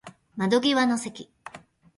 窓際の席